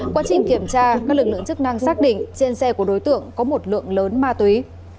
quá trình kiểm tra các lực lượng chức năng xác định trên xe của đối tượng có một lượng lớn ma túy